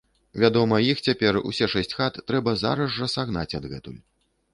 Вядома, іх цяпер, усе шэсць хат, трэба зараз жа сагнаць адгэтуль.